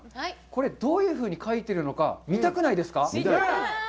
これどういうふうに描いてるのか見たくないですか？